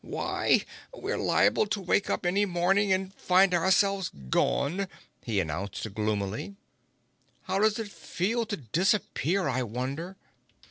"Why! We're liable to wake up any morning and find ourselves gone," he announced gloomily. "How does it feel to disappear, I wonder?"